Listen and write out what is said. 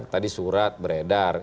tadi surat beredar